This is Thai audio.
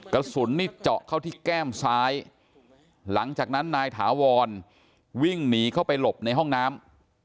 กระสุนนี่เจาะเข้าที่แก้มซ้ายหลังจากนั้นนายถาวรวิ่งหนีเข้าไปหลบในห้องน้ำ